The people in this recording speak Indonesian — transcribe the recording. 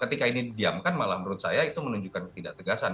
ketika ini diamkan malah menurut saya itu menunjukkan ketidak tegasan